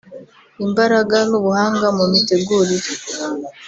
imbaraga n’ubuhanga mu mitegurire